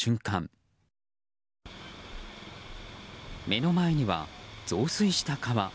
目の前には、増水した川。